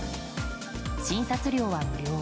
診察料は無料。